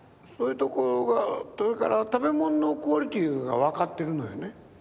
それから食べ物のクオリティーが分かってるのよね。